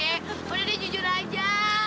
udah deh jujur aja